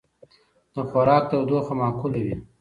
د خوراک تودوخه معقوله وي.